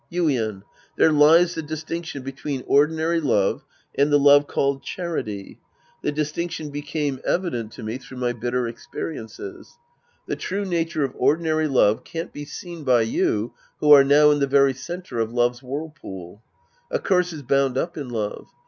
Yuien. There lies the distinction between ordinary love and the love called charity. The distinction became evident 212 The Priest and His Disciples Act v to me through my bitter experiences. The true nature of ordinary love can't be seen by you who are now in the very center of love's whirlpool. A curse is bound up in love.